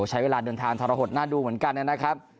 ใช้เวลาเดินทางทรหดน่าดูเหมือนกันนะครับ